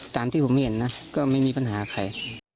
ตามที่ผมเห็นนะก็ไม่มีปัญหาใคร